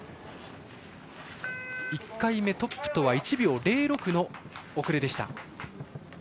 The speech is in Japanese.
１回目、トップとは１秒０６の遅れでした。